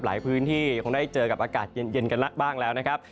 หลายพื้นที่คงได้เจอกับอากาศเย็นกันละบ้างแล้วนะครับ